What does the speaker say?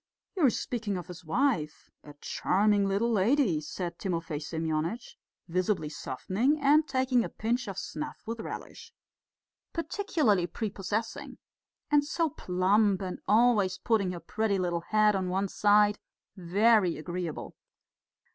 "You are speaking of his wife? A charming little lady," said Timofey Semyonitch, visibly softening and taking a pinch of snuff with relish. "Particularly prepossessing. And so plump, and always putting her pretty little head on one side.... Very agreeable.